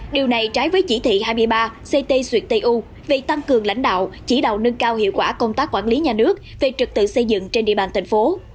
điều này trái với chỉ thị hai mươi ba ct xuyệt tây u về tăng cường lãnh đạo chỉ đạo nâng cao hiệu quả công tác quản lý nhà nước về trực tự xây dựng trên địa bàn thành phố